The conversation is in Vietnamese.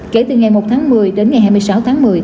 kể từ ngày một tháng một mươi đến ngày hai mươi sáu tháng một mươi